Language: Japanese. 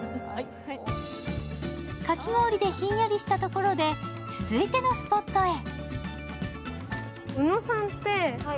かき氷でひんやりしたところで、続いてのスポットへ。